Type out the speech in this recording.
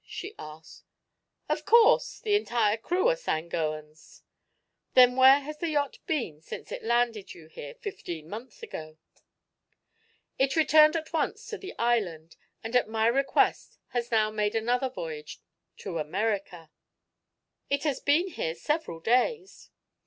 she asked. "Of course. The entire crew are Sangoans." "Then where has the yacht been since it landed you here fifteen months ago?" "It returned at once to the island, and at my request has now made another voyage to America." "It has been here several days."